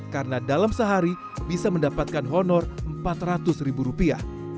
karena dalam sehari bisa mendapatkan honor empat ratus ribu rupiah